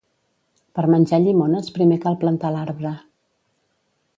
Per menjar llimones primer cal plantar l'arbre